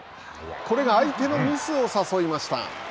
これが相手のミスを誘いました。